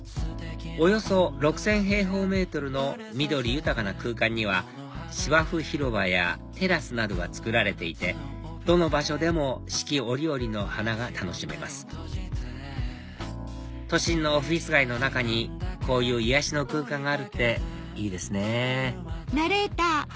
およそ６０００平方メートルの緑豊かな空間には芝生広場やテラスなどが造られていてどの場所でも四季折々の花が楽しめます都心のオフィス街の中にこういう癒やしの空間があるっていいですね